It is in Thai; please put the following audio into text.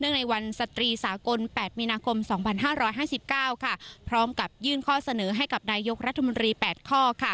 ในวันสตรีสากล๘มีนาคม๒๕๕๙พร้อมกับยื่นข้อเสนอให้กับนายกรัฐมนตรี๘ข้อ